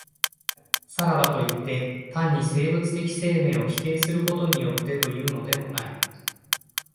さらばといって、単に生物的生命を否定することによってというのでもない。